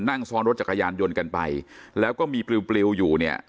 นั่งซ้อนรถจักรยานยนต์กันไปแล้วก็มีปลิวปลิวอยู่เนี่ย